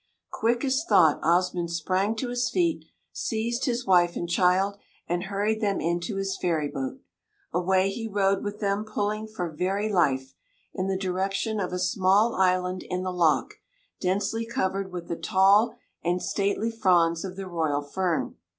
Quick as thought Osmund sprang to his feet, seized his wife and child, and hurried them into his ferry boat. Away he rowed with them pulling for very life in the direction of a small island in the loch, densely covered with the tall and stately fronds of the royal fern.